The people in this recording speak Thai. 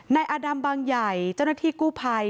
ในอดามบางใหญ่เจ้าหน้าที่กู้ไพอะไร